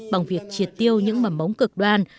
bằng việc triệt tiêu những mầm mống cực đoan